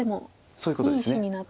そういうことです。